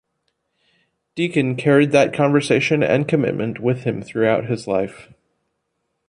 Deacon carried that conversation and commitment with him throughout his life.